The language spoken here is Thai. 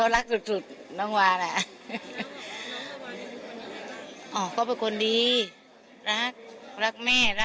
อ๋อรักสุดแหละใครคล้าย